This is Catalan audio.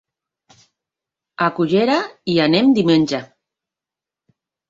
A Cullera hi anem diumenge.